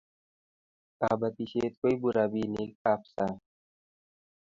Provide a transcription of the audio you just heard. kabatishet koibu rabin ab sang